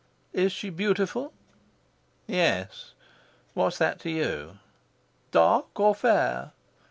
"Is she beautiful?" "Yes. What's that to you?" "Dark or fair?"